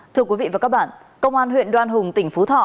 thưa quý vị và các bạn công an huyện đoan hùng tỉnh phú thọ